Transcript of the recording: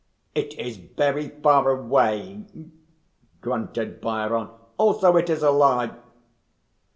"It is very far away," grunted Bhairon. "Also, it is a lie."